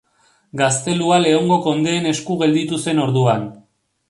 Gaztelua Leongo kondeen esku gelditu zen orduan.